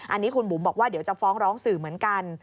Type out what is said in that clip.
อันนี้คุณบุ๋มบอกว่าเดี๋ยวจะฟ้องร้องสื่อเหมือนกัน